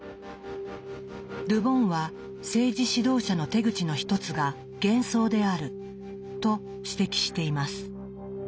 ル・ボンは政治指導者の手口の一つが「幻想」であると指摘しています。